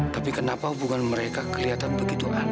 tapi kenapa hubungan mereka kelihatan begitu aneh